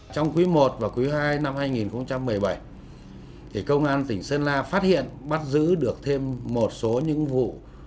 trong quý i và quý ii năm hai nghìn một mươi bảy công an tỉnh sơn la phát hiện bắt giữ được thêm một số những vụ